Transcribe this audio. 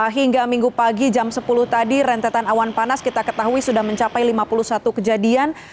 hingga minggu pagi jam sepuluh tadi rentetan awan panas kita ketahui sudah mencapai lima puluh satu kejadian